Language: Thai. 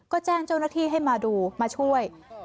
ก็แจ้งเจ้าหน้าที่ให้มาดูมาช่วย